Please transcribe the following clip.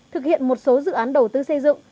thực hiện một số dự án đầu tư xây dựng